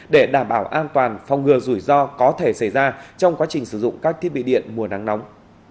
để đảm bảo an toàn phòng ngừa rủi ro có thể xảy ra trong quá trình sử dụng các thiết bị điện mùa nắng nóng